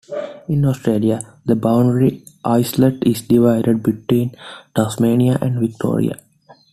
In Australia, the Boundary Islet is divided between Tasmania and Victoria.